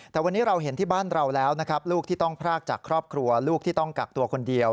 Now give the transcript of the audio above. แต่วันนี้เราเห็นที่บ้านเราแล้วนะครับลูกที่ต้องพรากจากครอบครัวลูกที่ต้องกักตัวคนเดียว